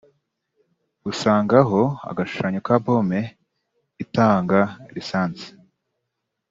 usangaho agashushanyo ka ‘pompe’ itanga lisansi